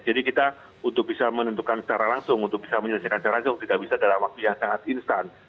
jadi kita untuk bisa menentukan secara langsung untuk bisa menyelesaikan secara langsung tidak bisa dalam waktu yang sangat instan